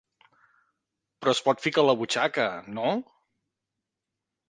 Però es pot ficar a la butxaca, no?